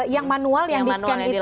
yang manual yang di scan itu